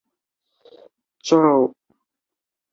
卡夏在俄斯特拉发开始他的职业生涯。